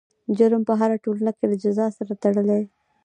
جرم په هره ټولنه کې له جزا سره تړلی دی.